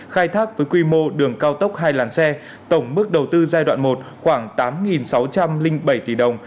khai thác với quy mô đường cao tốc hai làn xe tổng mức đầu tư giai đoạn một khoảng tám sáu trăm linh bảy tỷ đồng